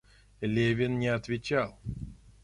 Левин не отвечал.